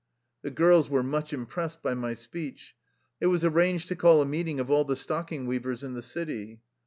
The girls were much impressed by my speech. It was arranged to call a meeting of all the stock ing weavers in the city.